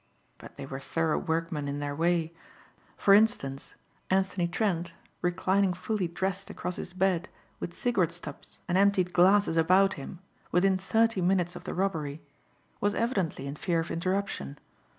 But they were thorough workmen in their way. For instance: Anthony Trent, reclining fully dressed across his bed with cigarette stubs and emptied glasses about him within thirty minutes of the robbery, was evidently in fear of interruption.